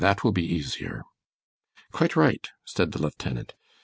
That will be easier." "Quite right," said the lieutenant.